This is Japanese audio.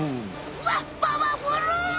うわっパワフル！